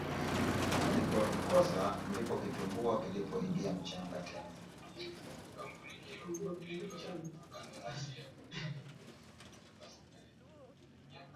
Alipotukosa ndipo kitumbua kilipoingia mchanga tena